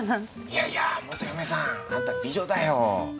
いやいや元嫁さんあんた美女だよ！